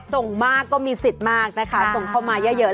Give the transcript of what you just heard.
ส่งมากก็มีสิทธิ์มากนะคะส่งเข้ามาเยอะ